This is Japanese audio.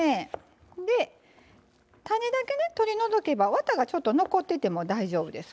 種だけね取り除けばワタがちょっと残ってても大丈夫です。